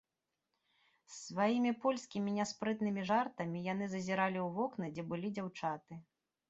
З сваімі польскімі няспрытнымі жартамі яны зазіралі ў вокны, дзе былі дзяўчаты.